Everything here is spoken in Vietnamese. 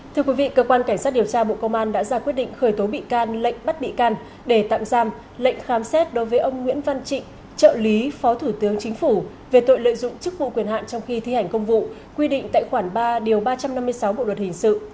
thưa quý vị cơ quan cảnh sát điều tra bộ công an đã ra quyết định khởi tố bị can lệnh bắt bị can để tạm giam lệnh khám xét đối với ông nguyễn văn trịnh trợ lý phó thủ tướng chính phủ về tội lợi dụng chức vụ quyền hạn trong khi thi hành công vụ quy định tại khoản ba điều ba trăm năm mươi sáu bộ luật hình sự